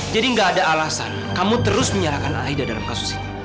jadi gak ada alasan kamu terus menyalahkan aida dalam kasus ini